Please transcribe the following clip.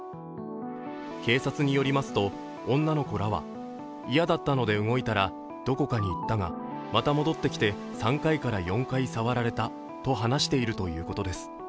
警察によりますと、女の子らは嫌だったので動いたらどこかに行ったが、また戻ってきて３回から４回触られたと話しているということです。